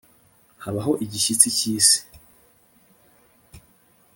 habaho igishyitsi cyisi